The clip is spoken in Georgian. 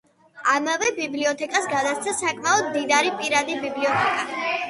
ამავე ბიბლიოთეკას გადასცა საკმაოდ მდიდარი პირადი ბიბლიოთეკა.